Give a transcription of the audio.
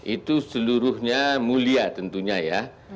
itu seluruhnya mulia tentunya ya